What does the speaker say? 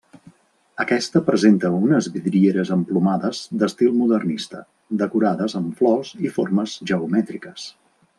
Aquesta presenta unes vidrieres emplomades d'estil modernista, decorades amb flors i formes geomètriques.